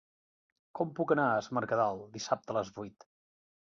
Com puc anar a Es Mercadal dissabte a les vuit?